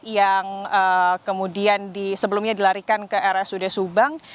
yang kemudian sebelumnya dilarikan ke rsud subang